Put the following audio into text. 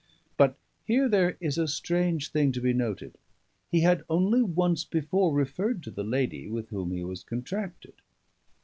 But here there is a strange thing to be noted. He had only once before referred to the lady with whom he was contracted.